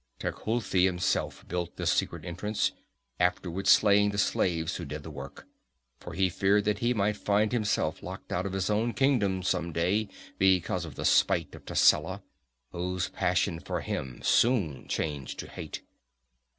Tecuhltli himself built this secret entrance, afterward slaying the slaves who did the work; for he feared that he might find himself locked out of his own kingdom some day because of the spite of Tascela, whose passion for him soon changed to hate.